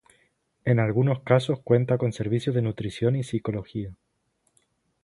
En algunos casos, cuenta con servicios de nutrición y psicología.